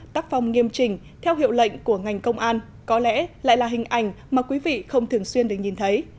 tác phong nghiêm trình theo hiệu lệnh của ngành công an có lẽ lại là hình ảnh mà quý vị không thường xuyên được nhìn thấy